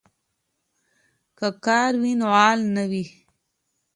که کار وي نو غال نه وي.